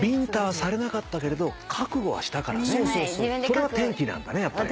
それは転機なんだねやっぱりね。